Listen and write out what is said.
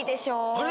あれ？